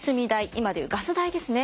今で言うガス代ですね